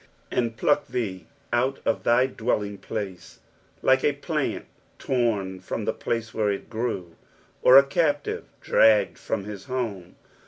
'^ And pluck thee out of thy dwelling place, " like a plant torn from the place where it grew, or a captive dragged from his home.